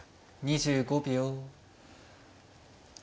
２５秒。